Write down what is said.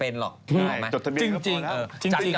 แบ่งคนละห้าสิบตังค์